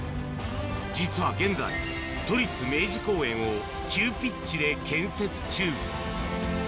実は現在、都立明治公園を急ピッチで建設中。